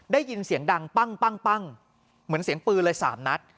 ได้ยินเสียงดังปั้งปั้งปั้งเหมือนเสียงปืนเลยสามนัด